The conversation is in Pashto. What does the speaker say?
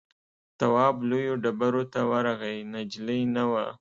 تواب لویو ډبرو ته ورغی نجلۍ نه وه.